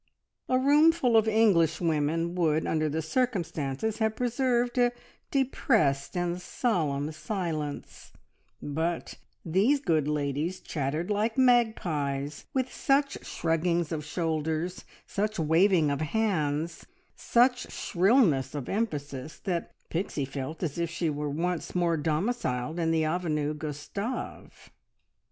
A room full of Englishwomen would under the circumstances have preserved a depressed and solemn silence, but these good ladies chattered like magpies, with such shruggings of shoulders, such waving of hands, such shrillness of emphasis, that Pixie felt as if she were once more domiciled in the Avenue Gustave.